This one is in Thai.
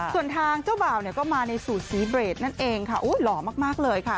ส่วนทางเจ้าบ่าวเนี่ยก็มาในสูตรสีเบรดนั่นเองค่ะโอ้หล่อมากเลยค่ะ